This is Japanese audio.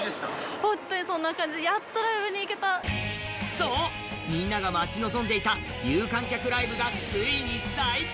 そう、みんなが待ち望んでいた有観客ライブがついに再開。